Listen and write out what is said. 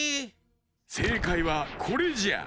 せいかいはこれじゃ。